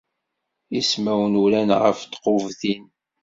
Ismawen uran ɣef tqubbtin.